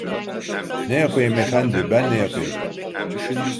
Ne yapayım efendi, ben ne yapayım?"